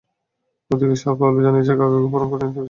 ওদিকে Sao Paulo জানিয়েছে, কাকাকে বরণ করে নিতে ভীষণ আগ্রহী তারা।